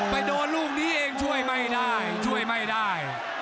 ไปโดนลูกนี้เองช่วยไม่ได้